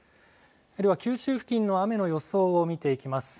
では、九州付近の雨の予想を見ていきます。